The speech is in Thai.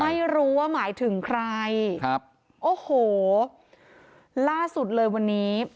ไม่รู้ว่าหมายถึงใครครับโอ้โหล่าสุดเลยวันนี้